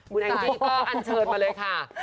คุณแองจี้ก็อันเชิญมาเลยค่ะ